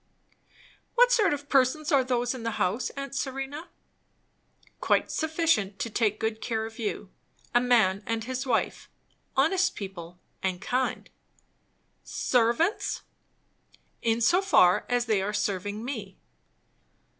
"What sort of persons are those in the house, aunt Serena?" "Quite sufficient to take good care of you. A man and his wife. Honest people, and kind." "Servants!" "In so far as they are serving me."